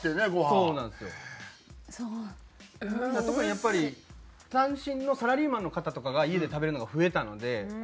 特にやっぱり単身のサラリーマンの方とかが家で食べるのが増えたので。